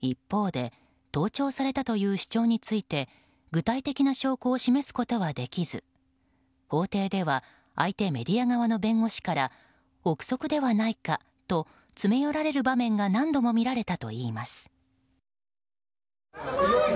一方で盗聴されたという主張について具体的な証拠を示すことはできず法廷では相手メディア側の弁護士から憶測ではないかと詰め寄られる場面が何度も見られたといいます。